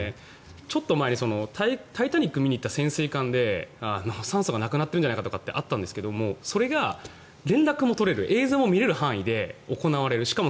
ちょっと前に「タイタニック」を見に行った潜水艦で酸素がなくなっているんじゃないかとかってあったんですがそれが連絡も取れる映像も見れる範囲で行われる。